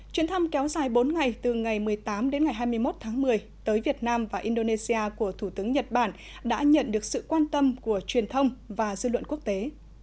chuyến thăm kéo dài bốn ngày từ ngày một mươi tám đến ngày hai mươi một tháng một mươi tới việt nam và indonesia của thủ tướng nhật bản đã nhận được sự quan tâm của truyền thông và dư luận quốc tế